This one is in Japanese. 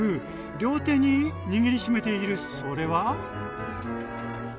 両手に握りしめているそれは？え